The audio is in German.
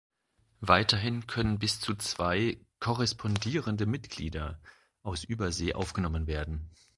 Weiterhin können bis zu zwei "Korrespondierende Mitglieder" aus Übersee aufgenommen werden.